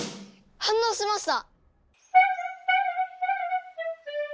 反応しました！